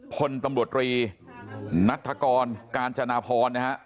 พลตำรวจรีนัฐกรกาญจนาพรนะฮะ